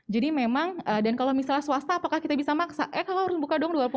jadi memang dan kalau misalnya swasta apakah kita bisa maksa eh kamu harus buka dong dua puluh empat jam